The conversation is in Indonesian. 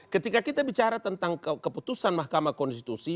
ketika kita bicara tentang keputusan mahkamah konstitusi